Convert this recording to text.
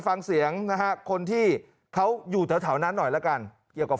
ฟังเสียงนะฮะคนที่เขาอยู่แถวนั้นหน่อยละกันเกี่ยวกับ